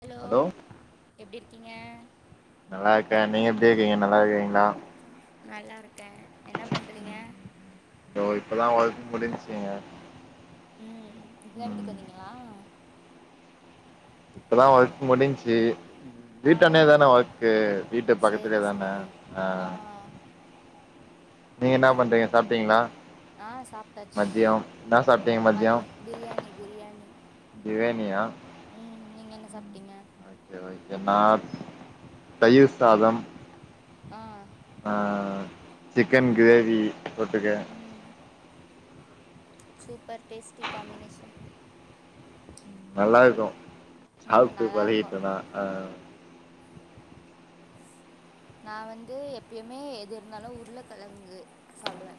Hello எப்டி இரு க்கிங்க நல்லாருக்கே நீங்க எப்டி இருக்கிங்க நல்லாருக்கிறிங்ளா நல்லாருக் கே என்ன பண்றிங்க ங்க ம் இப்பதா வீட்டுக்கு வந்திங்களா இப்பதா ஒர்க் முடிஞ்ச்சு ஆ வீட்டாண்டய தான ஒர்க்கு வீட்டு சரி பக்கத்துலயே தான சரி ஆ நீங்க என்னா பண்றிங்க சாப்ட்டிங்ளா ஆ சாப்ட்டாச்சு மதியோ சாப்ட்டீங்க மதியோ மதிய பிரியாணி பிரியாணி பிரியாணியா ம் நீங்க என்ன சாப்ட்டிங்க ஓகே ஓகே நா தயிர் சாதம் ஆ ஆ சிக்கன் கிரேவி தொட்டுக்க ம் சூப்பர் டேஸ்டி காம்பினேஷன் நல்லாருக்கு ம் சாப்ட்டு நல்லாயிருக்கும் பழகிட்டேனா அ நா வந்து எப்பயுமே எது இருந்தாலு உருள கெழங்கு சாப்டுவ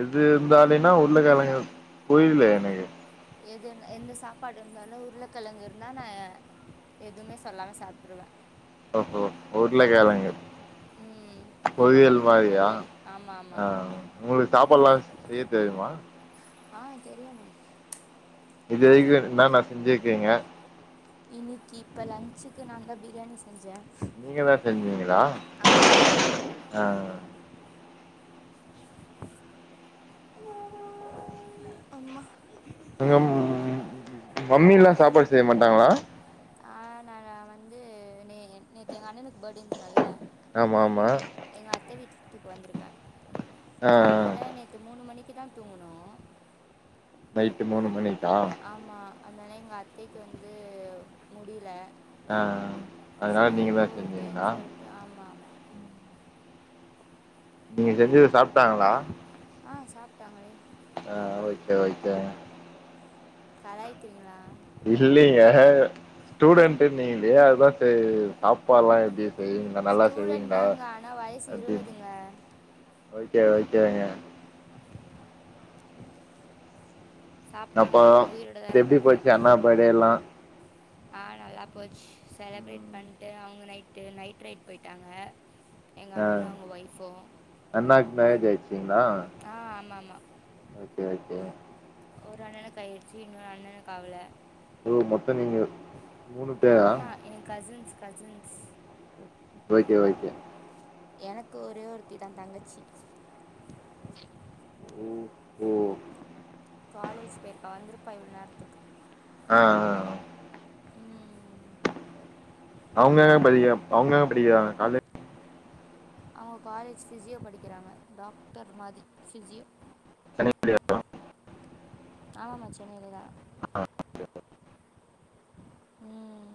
எது இருந்தாலின்னா உருளகெழங்கு புரில எனக்கு எது எந்த சாப்பாடு இருந்தாலு உருளகெழங்கு இருந்தா நா எதுவுமே சொல்லாம சாப்ட்ருவ ஓ ஹோ உருளகெழங்கு ம் பொரியல் உருளைக்கிழங்கு மாரியா பொரியல் ஆமாம் ஆ ஆமாம் உங்களுக்கு சாப்பாடெல்லா செய்ய தெரியுமா ஆ தெரியுமே இது வரைக்கு என்னான்னா செஞ்சிருக்கிங்க இன்னிக்கு இப்ப லன்ச்சுக்கு நாந்தா பிரியாணி செ நீங்க தா செஞ்சீங்ளா ஆமாம் ஆ அம்மா அங்க ம் மம்மிலா சாப்பாடு செய்ய மாட்டாங்களா நா நா நா வந்து நேத்து எங்க அண்ணனுக்கு பர்டேன்னு சொன்னல ஆமா ஆமா த்துக்கு வந்திருக்க ஆ அதனால நேத்து மூணு மணிக் க்கு தா தூங்குணு நைட்டு மூணு மணிக் ஆமா அதனால் எங்க அத்தைக்கு வந்து முடில ஆ அதனால நீங்க தா ஓகேன்னு செஞ்சீங்ளா சொல்லிட்டு ஆமாம் ஆமாம் நீங்க செஞ்சத சாப்ட்டாங்ளா ஆ சாப்ட்டாங்களே ஆ ஓகே ஓக்கே கலாய்கிறீங்களா இல்லிங்க ஸ்டூடெண்ட்டு நீங்ளே அதுதா சாப்பாடல்லா எப்டி செய்வீங்களா நல்லா ஸ்டூடண்ட் செய்வீங்களா தாங்க ஆனா வயசு அப்டின் இருவதுங்க ஓகே ஓகேங்க அப்ப சாப்பிட்டாங்க உயிரோட தான் எப்டி போச்சு அண்ணா பர்டே எல்லா ஆஹ் நல்லா போச்சு செலப்ரேட் ம் பண்ட்டு அவங்க நைடு நைட் ரைய்ட் போய்ட்டாங்க ஆஹ் அண்ணாக்கு மேரேஜ் ஆய்டுச்சுங்ளா ஆ ஆமாம் ஆமாம் ஒரு அண்ணனுக்கு ஆய்றுச்சு இன்னொரு அண்ணனுக்கு ஆவல ஓ மொத்தம் நீங்க மூணு பேரா ஆஹா என் கசின்ஸ் கசின்ஸ் ஓகே ஓகே எனக்கு ஒரே ஒருத்தி தான் தங்கச்சி ஓ காலேஜ் பேய்ர்க்கா வந்துர்பா இன் நேரத்துக்கு ஆ ஆ ம், அவுங்க என்ன அவுங்க என்ன படிக்க படிக்கிறாங்க காலேஜ் அவஙக காலேஜ் பிஸியோ படிக்கிறாங்க டாக்டர் மாரி பிஸியோ கனிப்படியா [unintelligible] ஆமாமா சென்னைலதான் [unintelligible] உம்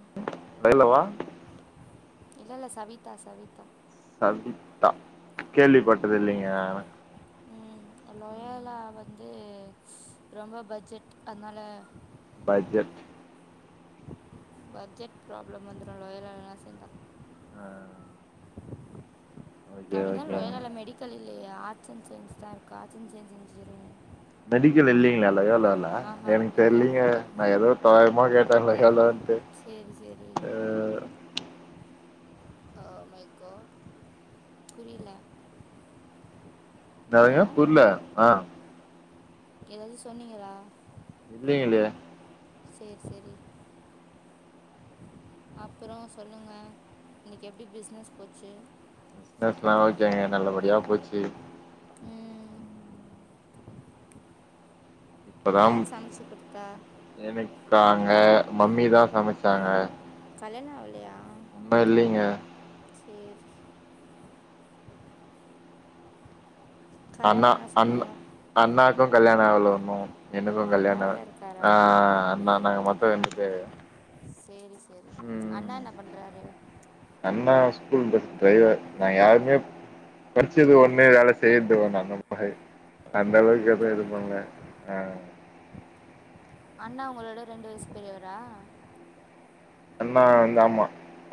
பய்லவா இல்ல இல்ல சவிதா சவிதா சவித்தா கேள்விப்பட்டது இல்லைங்க உம் லொயாலா வந்து ரொம்ப பட்ஜெட் அத்னால பட்ஜெட் பட்ஜெட் ப்ராப்ளம் வந்துரு லயோலாலலா சேந்தா ஆஹ் அப்டினா லயோலால மெடிக்கல் இல்லயே ஆர்ட்ஸ் அன் சயின்ஸ் தா இருக்கு arts and science engineering medical இல்லைங்ளா லயோலால ஆஹா எனக்கு இல்லை தெரிலைங்க நா எதோ ஆமாங்க கலகலன்ட்டு சரி சரி அஹ் ஓ மை காட் புரிய்ல நெறைய புர்ல ஆஹ் எதாவ்து சொன்னீங்களா இல்லைங்லே சேரி சேரி அப்பற சொல்லுங்க இன்னைக்கு எப்டி பிஸ்னஸ் போச்சு பிஸ்னஸ்லா ஓகேங்க நல்லபடியா போச்சு உம் இப்பதா யார் சமச்சு குடுத்தா க்காங்க மம்மிதா சமச்சாங்க கல்யாண ஆவ்லயா இன்னு இல்லைங்க சேரி அண்ணா ஆனால் அண் சொன்னுங்க அண்ணாக்கு கல்யாண ஆவ்ல ஒன்னு ஓ எனக்கு அண்ணா கல்யாண வேற ஆவ் இருக்காரா ஆஹ் அண்ணா நாங்க மொத்த தேவயா செரி செ ரி அண்ணா என்ன பண்றாரு அண்ணா ஸ்கூல் பஸ் டிரைவர் நாங்க யாருமே படிச்சது ஒன்னு வேல செய்யற்தொன்னு அந்த மாரி அந்த அளவுக்கு ஓகே எதுவு இது ஓகே பண்ல ஆஹ் அண்ணா ஒங்களோட ரெண்டு வயசு பெரியவரா அண்ணா இந்த ஆமா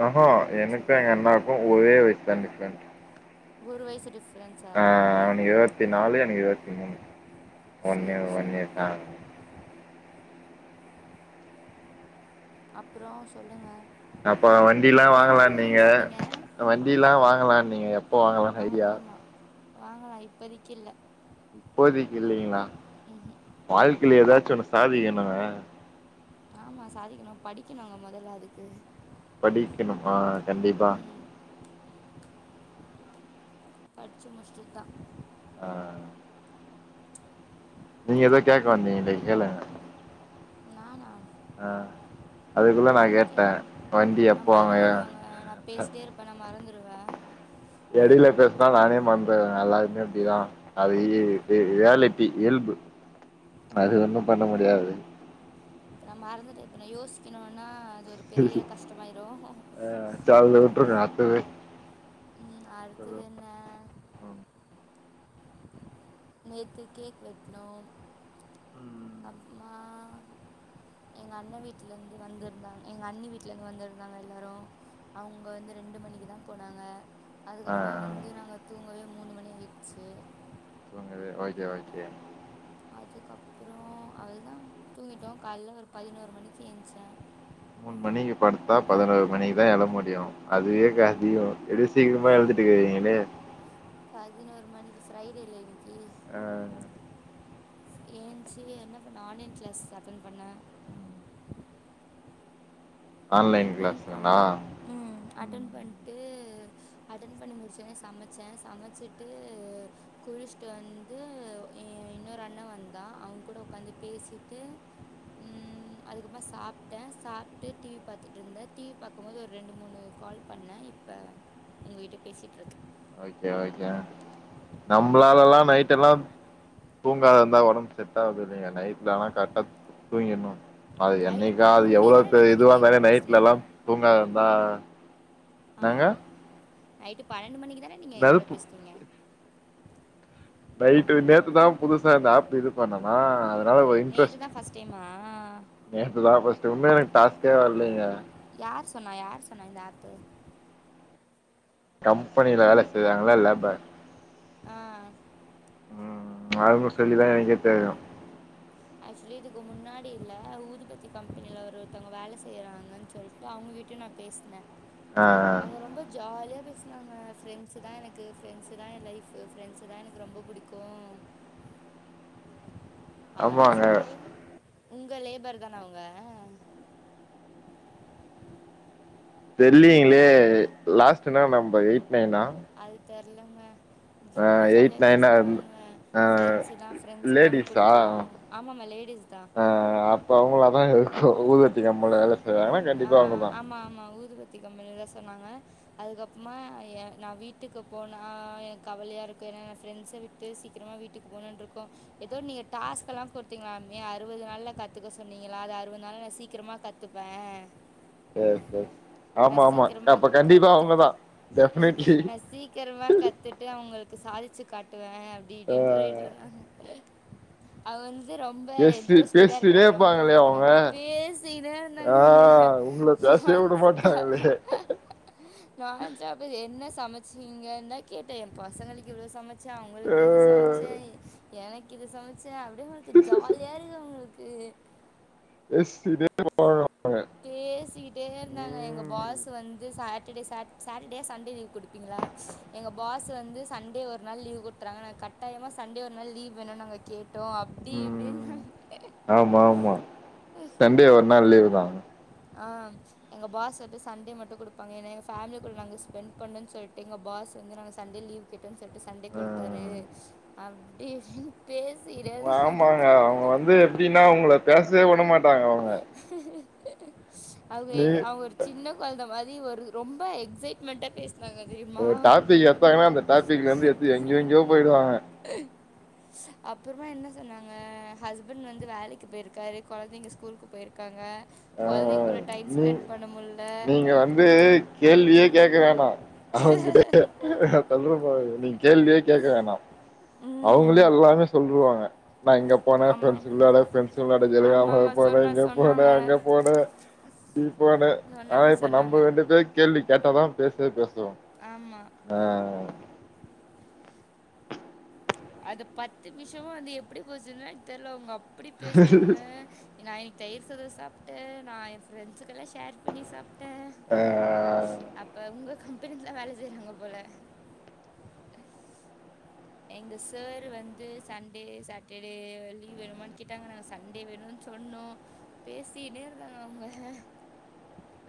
ஆஹா எனக்கு சரி எங்க அண்ணாக்கு ஒரே வயசு தா டிஃப் ரண்ட் ஒரு வயசு டிஃப் ஆஹ் அவனுக்கு இருவத்தி நாலு எனக்கு இருவத் உம் ஒன்னு சரி சரி ஒன்னுதா அப்றோ சொல்லுங்க அப்ப வண்டிலா வாங்கலா நீங்க சொன்னீங்க வண்டிலா வாங்கலா நீங்க எப்ப வாங்கலானு ஐடியா வாங்கலா இப்பதக்கி இல்ல இப்போதிக்கு இல்லைங்ளா வாழ்க்கைல எதாச்சு ஒன்னு சாதிங்கனுங்க ஆமா சாதிக்கணு படிக்கணுங்க மொதல்ல அதுக்கு படிக்கணு ஆ கண்டிப்பா ம் படிச்சு முடிஷ்டுதா ஆ நீங்க ஏதோ கேக்க வந்தீங்ளே கேளுங்க நானா ஆ அதுக்குள்ள நா என்ன கேட்டே கேட்கணும் வண்டி நான் எப்போங்க டுவ எடையில பேசுனா நானே மறந்தறே எல்லாருமே அப்டிதா அது இ ரியால்ட்டி இயல்பு அது ஒன்னு பண்ண முடியாது நான் மறந்துட்டே இப்ப நா யோசிக்கணுனா அது ஒரு பெரிய கஷ்டமாயிரு டுவே ம் அடுத்தது என்ன நேத்து கேக் வெட்ணோ அப்பமா எங்க அண்ண வீட்டுல இருந்து வந்துருந்தாங்க எங்க அண்ணி வீட்டுல இருந்து வந்திருந்தாங்க எல்லாரு அவுங்க வந்து ரெண்டு மணிக்கு தா போனாங்க ஆ அதுக்கப்புறமா வந்து நாங்க தூங்கவே மூணு மணி ஆயிட்ச்சி தூங்கவே ஓகே ஓகே அதுக்கப்புறோ அவள்தா தூங்கிட்டோ காலைல ஒரு பதினோரு மணிக்கு எந்ச்சே மூணு மணிக்கு படுத்தா பதினோரு மணிக்கு தா எழ முடியு அதுவே அதியோ எப்டி சீக்கிரமா எழுதிட் இருக்கீங்களே பதினொரு மணி இப்ப ஃப்ரைடேல இன்னிக் ஆ ஏன்ச்சி என்ன பண்ண ஆன்லைன் கிளாஸ் அட்டன் பண்ண ஆன்லைன் அட்டன் கிளாஸுங்களா பண்ட்டு ம் அட்டன் ம் பண்ட்டு டு அட்டெண் பண்ணி முடிச்சனே சமைச்சே சமைச்சுட்டு குளிச்ட்டு வந்து ஏ இன்னொரு அண்ண வந்தா அவ கூட உக்காந்து பேசிட்டு ம் அதுக்கப்புறமா சாப்பிட்ட சாப்ட்டு டிவி பாத்துட்டு இருந்த டிவி பாக்கு மோது ஒரு ரெண்டு மூணு கால் பண்ணே இப்ப உங்ககிட்ட பேசிட்டு இருக் ஓக்கே ஓக்கே நம்பளாலா நைட் எல்லா தூங்காத இருந்தா ஒடம்பு செட்ட ஆகறது இல்லிங்க நைட் ஆனா கரெட்டா தூங்கீர்னு அது நைட்டு என்னைக்காவது பன்னெண்டு எவ்ளோ மணிக்கு தானே பெரிய நேற்று இதுவா நீங்கள் எங்கூட இருந்தாலு நைட்ல பேசுனீங்க எல்லா தூங்காது இருந்தா என்னாங்க பணண்டு மணிக்கி தான நீங்க எங்கோட பேசுனீங்க நைட்டு நேத்துதா புதுசா இந்த ஆப்பு இது பண்ணனா அதனால ஒரு நேற்று இன்ட்ரஸ்ட் தான் ஃபஸ்ட் டைமா நேத்துதா பஸ்ட் உண்மயிலங் டாஸ்கே வரலைங்க ஆமா யார் சொன்னா இந்த ஆப்பு கம்பனில வேல செய்றாங்களா லேபர் ஆ ம் அவுங்க சொல்லிதா எனக்கே தெரியு ஆக்சுவ்லி இதுக்கு முன்னாடி இல்ல ஊதுபத்தி கம்பெனில ஒரு ஒருத்தவங்க வேலை செய்றாங்கன்னு சொல்லிட்டு அவுங்க கிட்டேயு நா பேசின ஆ அவுங்க ரொம்ப ஜாலியா பேசினாங்க ஃப்ரெண்ஸு தா எனக்கு ப்ரெண்ஸு தா என் லைஃப் ஃப்ரெண்ஸு தா எனக்கு ரொம்ப புடிக்கு அவங்களு ஆமாங்க சொன்னாங் உங்க லேபர் தான அவுங்க தெரிலீங்ளே லாஸ்ட்ன்னா நம்ம எய்ட் நெனா அது தெர்லங்க ரொம்ப ஆஹ் எயிட் ஜாலியா நைனா இர் பேசுனாங்க அஹ் ஃப்ரெண்ட்ஸு தா ஃப்ரெண்ட்ஸு தா எனக்கு லேடிஸா புடிக்கு ஆமாமா லேடிஸ் தா அஹ் அப்ப அவங்கள தா இருக்கூ ஊதுபத்தி கம்பனில வேனா கண்டிப்பா அவுங்கதா கம்பெனில தா சொன்னாங்க அதுக்கப்பறமா எ நா வீட்டுக்கு போனா எனக்கு கவலையா இருக்கு நா ஃப்ரெண்ட்ஸ விட்டு சீக்கிரமா வீட்டுக்கு போகணும்னு இருக்கூ ஏதோ நீங்க டாஸ்க் எல்லா கொடுத்தீங்களாமே அறுபது நாள்ல கத்துக்க சொன்னீங்களா அது அறுபது நாள்ல சீக்கிரமா கத்துப்பே எஸ் எஸ் நா ஆமா ஆமா சீக்கிரமா அப்ப கண்டிப்பா கத்துட்டு அவங்கதா டெஃபினெட்லி நா சீக்கிரமா கத்துட்டு அவங்களுக் சாதிச்சு காட்டுவே ஆ டிடினு சொல்லிட்டு இருந்தாங்க அதுவந் ரொம்ப பேசி எந்தோஷ்டிக்கா பேசினே இருக்காங்க ரொம்ப இருப்பாங்களே அவங்க குதிக்கிறாங்க பேசினே ஆ இருந்தாஙகங்க அ உங்கள பேசவே நான் விட ச மாட்டாங்களே நான்சாடப் என்ன சமைச்ச சிங்க தான் கேட்டே என்ன பசங்களுக்கு எவ்ளோ சம சன் ஆ அவங்களுக்கு இது சமைச்ச எனக்கு இது சமச் ச அப்டே உங்களுக்கு ஜாலியா இருக்கூ உங் க்கு பேசிட்டே போனோ பேசிட் டே இருந்தாங்க எங்கள் ம் பாஸ்ஸு வந்து சாட்டர்டே சாட் சாட்டர்டே சண்டே லீவ் கொடுப்பீங்களா எங்க பாஸ்ஸு வந்து சண்டே ஒரு நாள் லீவ் கொடுத்துறாங்க நாங்க கட்டாயமா சண்டே ஒரு நாள் லீவ் வேணும்னு நாங்க கேட்டோம் அப்டி இப்டின்னு ம் நா ஆமா ஆமா சண்டே ஒரு நாள் லீவு தான் ஆஹ் எங்க பாஸ் வந்து சண்டே மட்டும் குடுப்பாங்க ஏன்னா எங்க ஃபேமிலி கூட நாங்க ஸ்பெண்ட் பண்ணுன்னு சொல்ட்டு எங்க பாஸ் வந்து நாங்க சண்டே லீவ் கேட்டோன்னு சொல்ட்டு சண்டே கொடுத்தாரு அப்டே பேசு ஆமாங்க அவுங்க வந்து எப்டின்னா உங்கள பேசவே உ உடமாட் றாங்க அவுங்க அவுங்கே அவுங்க ஒரு சின்ன கொழந்த மாரி நீ ஒரு ரொம்ப எக்ஸைட்மெண்டா பேச ஒரு டாபிக் எத்தாங்கன்னா அந்த டாபிக்ல இருந்து எத்து எங்க எங்கயோ போயிடுவா அவ அப்புறமா என்ன சொன்னாங்க ஹஸ்பண்ட் வந்து வேலைக்கு போயிருக்காரு கொழந்தைங்க ச் ஸ்கூலுக்கு போயிருக்காங்க ஆஹ் குழந்தைங்க ஆஹ் கூட டைம் நீ ஸ்பெண்ட் பண்ண முடில நீங்க வந்து கேள்வியே கேக்குற ஆமா அவங்கிட்ட சொல்லுற போற நீங்க கேள்வியே கேக்க வேணா அவங்களே ம் எல்லாமே சொல்ருவாங்க நா இங்க போனே ஆமாம் ஃபிரண்ட்ஸுங்களோட ஆமாம் ஃபிரண்ட்ஸுங்களோட ஆமாம் தெரியாம இங்க ஆமாம் சொன்ன போனே சொன்னாங்க இங்க போனே டி போன ப ஆனா சொன்னாங்க இப்ப நம்ப சொன்னாங்க ரெண்டு பேரு கேள்வி கேட்ட தா பேசுவே பே ஆமா அது பத்து நிமிஷமு வந்து எப்டி போச்சுன்னே தெரில உங்கப் அப்டி பேச்னாங்க நா இ தயிர் சோத சாப்ட்டு நா எ ஃப்ரெண்ட்ஸுகெல்லா ஷேர் பண்ணி சாப் டு ஆ அப்ப உங்க கம் பணிலதா வேல செய்றாங்க போல எங்க சார் வந்து சண்டே சாட்டர்டே லீவ் வேணுமானு கேட்டாங்கனா நாங்க சண்டே வேணும்னு சொன்னோ பேசினே இருக்காங்க அவுங்க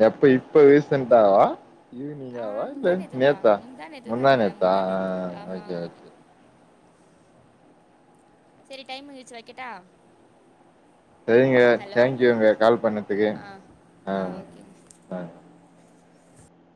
எப்ப இப்ப ரீசண்ட்டாவா ஆ ஈவனிங்காவா முந்தா நேத்து இல்லாட்டி தான். நேத்தா முந்தா நேத்து தாங்க. முந்தாநேத்தா முந்தா நேத்து. ஆஹ் ஆஹ் ஆமா ஓகே ஆமா. ஓகே சரி டைம் ஆய்ச்சு வைக்கட்டா சரிங்க ஹலோ? தேங்க்யூங்க கால் பண்ணத்துக்கு ஆ ஆ ஆஹ் ஓகேங்க. ஆஹ்